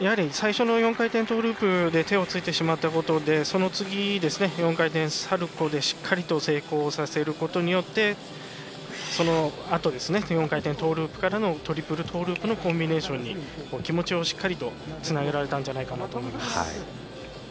最初の４回転トーループで手をついてしまったことでその次４回転サルコーでしっかり成功させることによってそのあと、４回転トーループからトリプルトーループのコンビネーションに気持ちをしっかりとつなげられたんじゃないかなと思います。